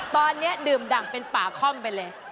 ตอนนี้ดื่มดั่งเป็นป่าค่อมไปเลย